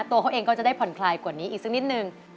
ตัวเขาเองก็จะได้ผ่อนคลายกว่านี้อีกสักนิดนึง